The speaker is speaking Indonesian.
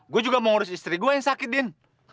gue juga mau ngurus istri gue yang sakit din